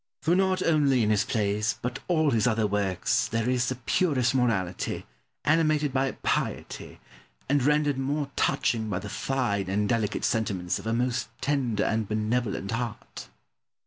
For not only in his plays, but all his other works, there is the purest morality, animated by piety, and rendered more touching by the fine and delicate sentiments of a most tender and benevolent heart.